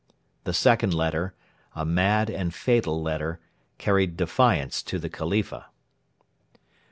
The second letter a mad and fatal letter carried defiance to the Khalifa.